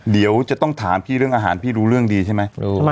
เดี๋ยวจะต้องถามพี่เรื่องอาหารพี่รู้เรื่องดีใช่ไหม